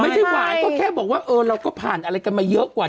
ไม่ใช่หวานก็แค่บอกตัวว่าเราพาผ่านอะไรกันมาเยอะกว่า